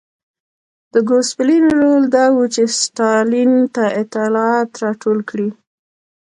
د ګوسپلین رول دا و چې ستالین ته اطلاعات راټول کړي